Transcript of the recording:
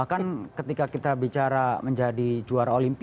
bahkan ketika kita bicara menjadi juara olimpia